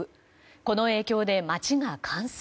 この影響で、街が冠水。